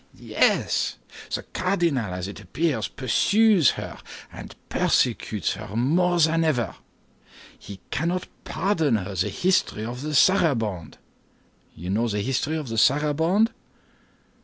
"Yes. The cardinal, as it appears, pursues her and persecutes her more than ever. He cannot pardon her the history of the Saraband. You know the history of the Saraband?"